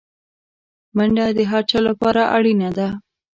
منډه د هر چا لپاره اړینه ده